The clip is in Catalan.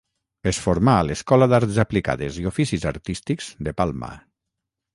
Es formà a l'escola d'Arts Aplicades i Oficis Artístics de Palma.